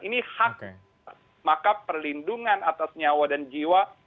ini hak maka perlindungan atas nyawa dan jiwa